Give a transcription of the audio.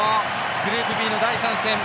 グループＢの第３戦。